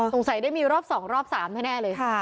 สงสัยได้มีรอบ๒รอบ๓แน่เลย